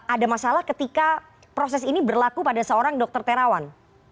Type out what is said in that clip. ada masalah ketika proses ini berlaku pada seorang dokter terawan